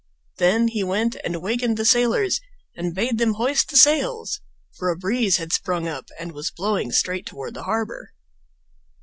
Then he went and wakened the sailors and bade them hoist the sails, for a breeze had sprung up and was blowing straight toward the harbor.